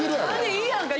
いいやんか